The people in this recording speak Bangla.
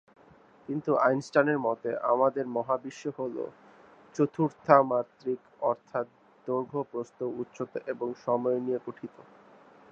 কিন্তু আইনস্টাইনের মতে আমাদের মহাবিশ্ব হলো চতুর্মাত্রিক অর্থাৎ দৈর্ঘ্য, প্রস্থ, উচ্চতা আর সময়কে নিয়ে গঠিত।